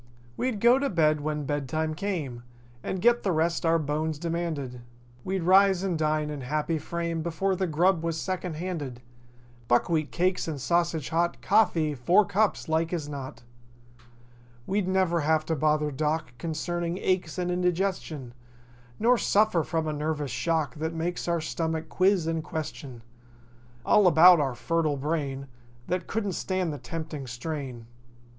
213 We'd go to bed when bed time carrie And get the rest our bones demanded. We'd rise and dine in happy frame Before the grub was second handed— Buckwheat cakes and sausage hot— Coffee—four cups, like as not. We'd never have to bother Doc Concerning aches and indigestion; Nor suffer from a nervous shock That makes our stomach quiz and question All about our fertile (?) brain That couldn't stand the tempting strain.